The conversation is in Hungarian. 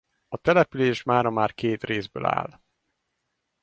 A település mára már két részből áll.